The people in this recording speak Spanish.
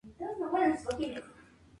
Ficha de Emanuele Bindi